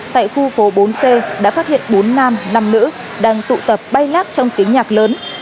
tại khu phố bốn c đã phát hiện bốn nam năm nữ đang tụ tập bay lát trong tiếng nhạc lớn